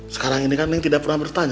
sekarang ini kan yang tidak pernah bertanya